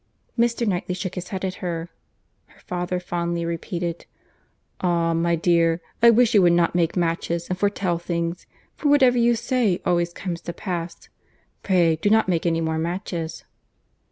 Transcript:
Mr. Knightley shook his head at her. Her father fondly replied, "Ah! my dear, I wish you would not make matches and foretell things, for whatever you say always comes to pass. Pray do not make any more matches."